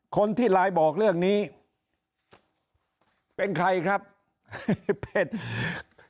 คนที่ลายบอกเรื่องนี้เป็นใครครับเป็นคือ